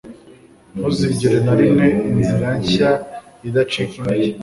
ntuzigere na rimwe inzira nshya idacika intege